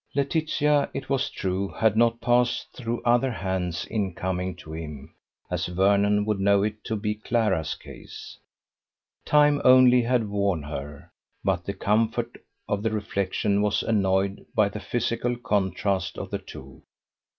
Laetitia, it was true, had not passed through other hands in coming to him, as Vernon would know it to be Clara's case: time only had worn her: but the comfort of the reflection was annoyed by the physical contrast of the two.